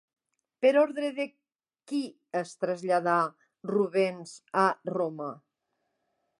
Per ordre de qui es traslladà Rubens a Roma?